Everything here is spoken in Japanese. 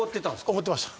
おごってました。